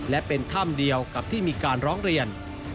และเป็นถ้ำเดียวกับที่มีการร้องเรียน